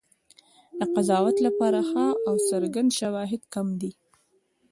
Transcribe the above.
د قضاوت لپاره ښه او څرګند شواهد کم دي.